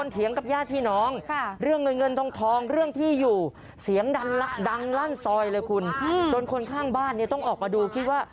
ถึงห่างบ้านนี้ต้องออกมาดูคิดว่า